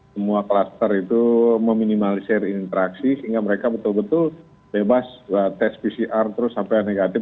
semua klaster itu meminimalisir interaksi sehingga mereka betul betul bebas tes pcr terus sampai negatif